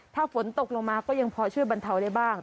ถ้าฝนตกลงมาก็ยังพอช่วยบรรเทาได้บ้าง